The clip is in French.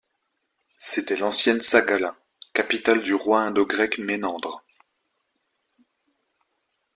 C'était l'ancienne Sagala, capitale du roi indo-grec Ménandre.